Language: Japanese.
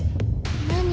何？